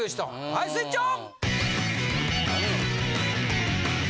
はいスイッチオン！